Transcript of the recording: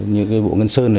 những cái bộ ngân sơn